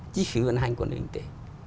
chi phí vận hành của nền kinh tế